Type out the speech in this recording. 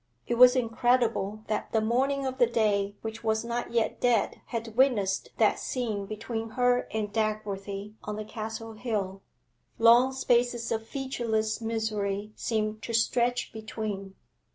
It was incredible that the morning of the day which was not yet dead had witnessed that scene between her and Dagworthy on the Castle Hill; long spaces of featureless misery seem to stretch between.